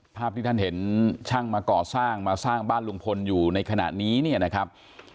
ภาพที่ท่านเห็นช่างมาก่อสร้างมาสร้างบ้านลุงพลอยู่ในขณะนี้เนี่ยนะครับ